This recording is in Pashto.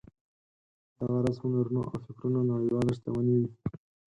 دغه راز هنرونه او فکرونه نړیواله شتمني وي.